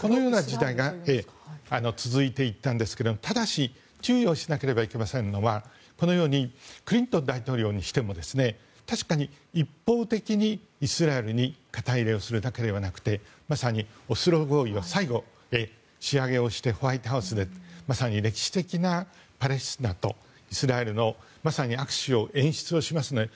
このような時代が続いていったんですがただし注意しなければいけないのはクリントン大統領にしても確かに一方的にイスラエルに肩入れをするだけではなくてまさにオスロ合意を最後、仕上げをしてホワイトハウスで歴史的なパレスチナとイスラエルのまさに握手を演出をしまして。